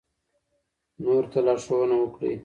نورو ته لارښوونه وکړئ.